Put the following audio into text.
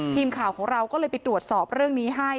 ทีมข่าวของเราก็เลยไปตรวจสอบเรื่องนี้ให้